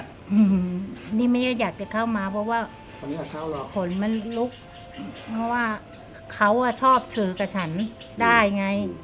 อืมนี่ไม่ได้อยากจะเข้ามาเพราะว่าผลมันลุกเพราะว่าเขาอ่ะชอบถือกับฉันได้ไง